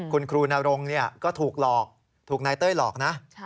คุณครูนรงก็ถูกหลอกถูกนายเต้ยหลอกนะ